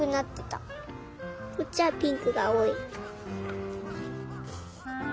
こっちはピンクがおおい。